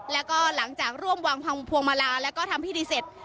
แล้วก็หลังจากร่วมวางพวงมาลาแล้วก็ทำพิธีเสร็จ